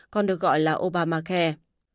còn được gọi là obamacare